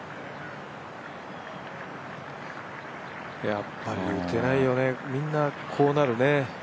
やっぱり打てないよね、みんなこうなるね。